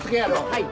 はい。